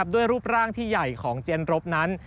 รูปร่างที่ใหญ่ของเจนรบนั้น